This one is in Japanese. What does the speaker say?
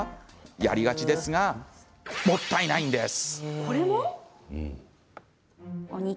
やりがちですがもったいないんです！